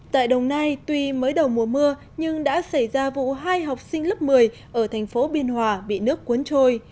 tại đồng nai tuy mới đầu mùa mưa nhưng đã xảy ra vụ hai học sinh lớp một mươi ở thành phố biên hòa bị nước cuốn trôi